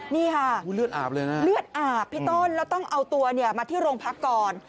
นี่ค่ะเลือดอาบเลยนะเลือดอาบพี่ต้นแล้วต้องเอาตัวเนี่ยมาที่โรงพักก่อน